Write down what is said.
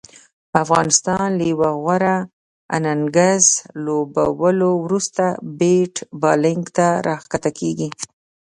افغانستان له یو غوره اننګز لوبولو وروسته بیت بالینګ ته راښکته کیږي